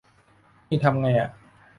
นี่ทำไงอะ